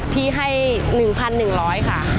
พี่ให้๑๑๐๐ค่ะ